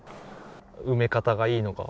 埋め方がいいのか